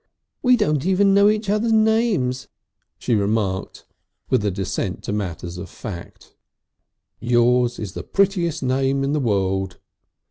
"We don't even know each other's names," she remarked with a descent to matters of fact. "Yours is the prettiest name in the world."